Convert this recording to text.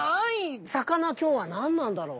魚今日は何なんだろう？